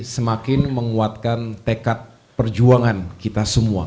semakin menguatkan tekad perjuangan kita semua